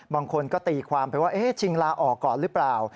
บางคนก็ตีความไปว่าชิงลาออกก่อนหรือเปล่า